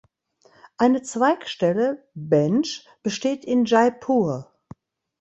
Eine Zweigstelle ("bench") besteht in Jaipur.